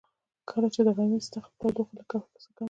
کله چې د غرمې سخته تودوخه لږ څه کمه شوه.